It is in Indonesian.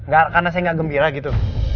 gak karena saya gak gembira gitu